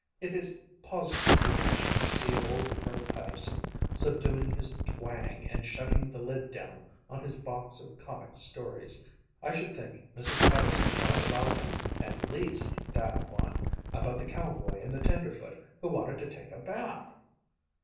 It is positively touching to see old Colonel Patterson subduing his twang and shutting the lid down on his box of comic stories. I should think Mrs. Patterson might allow him at least that one about the cowboy and the tenderfoot who wanted to take a bath!"